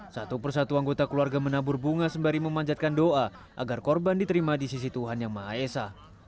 satu persatu anggota keluarga menabur bunga sembari memanjatkan doa agar korban diterima di sisi tuhan yang maha esa